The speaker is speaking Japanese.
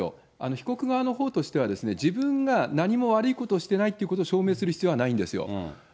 被告側のほうとしては、自分が何も悪いことをしていないっていうことを証明する必要はないんですよ。